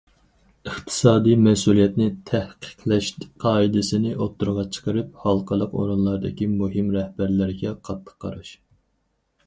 ئىقتىسادى مەسئۇلىيەتنى تەھقىقلەش قائىدىسىنى ئوتتۇرىغا چىقىرىپ، ھالقىلىق ئورۇنلاردىكى مۇھىم رەھبەرلەرگە قاتتىق قاراش.